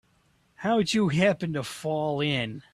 How'd you happen to fall in?